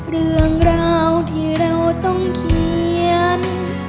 เรื่องราวที่เราต้องเขียน